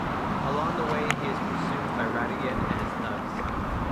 Along the way he is pursued by Ratigan and his thugs.